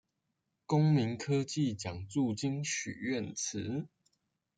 公民科技獎助金許願池